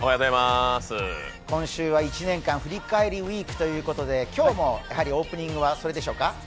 今週は１年間振り返りウイークということで、今日もオープニングはそれでしょうか？